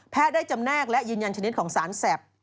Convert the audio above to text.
ได้จำแนกและยืนยันชนิดของสารแสบ